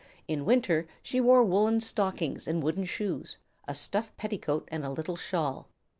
In winter she wore woollen stockings and wooden shoes, a stuff petticoat and a little shawl.